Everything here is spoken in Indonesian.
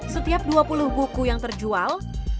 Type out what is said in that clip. setiap dua puluh buku yang terjual